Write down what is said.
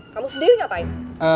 kamu sendiri ngapain